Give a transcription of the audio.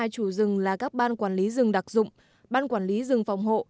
sáu trăm ba mươi hai chủ rừng là các ban quản lý rừng đặc dụng ban quản lý rừng phòng hộ